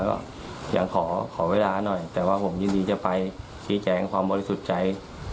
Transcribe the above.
ก็ยังขอเวลาหน่อยแต่ว่าผมยินดีจะไปชี้แจงความบริสุทธิ์ใจ